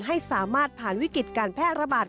ให้สามารถผ่านวิกฤตการแพร่ระบาด